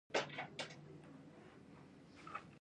• ژوند د فرصتونو مجموعه ده، که ته یې وکاروې.